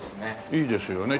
いいですよね。